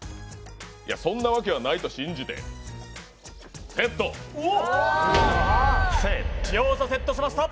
そんなわけはないと信じて、セット。両者セットしました。